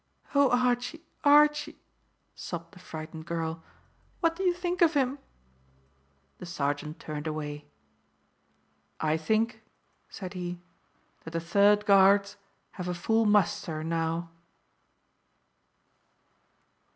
"Oh, Archie, Archie," sobbed the frightened girl, "what do you think of him?" The sergeant turned away. "I think," said he, "that the Third Guards have a full muster now."